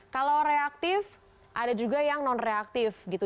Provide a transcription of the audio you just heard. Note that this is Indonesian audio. kalau reaktif ada juga yang non reaktif gitu